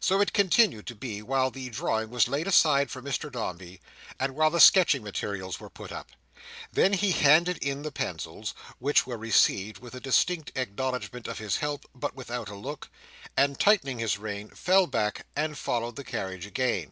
So it continued to be while the drawing was laid aside for Mr Dombey, and while the sketching materials were put up; then he handed in the pencils (which were received with a distant acknowledgment of his help, but without a look), and tightening his rein, fell back, and followed the carriage again.